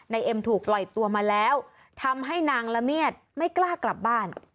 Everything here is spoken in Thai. เอ็มถูกปล่อยตัวมาแล้วทำให้นางละเมียดไม่กล้ากลับบ้าน